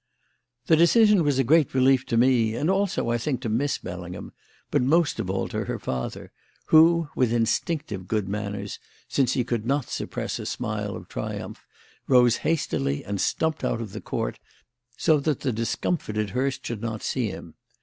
The decision was a great relief to me, and also, I think, to Miss Bellingham; but most of all to her father, who, with instinctive good manners, since he could not suppress a smile of triumph, rose hastily and stumped out of the Court, so that the discomfited Hurst should not see him.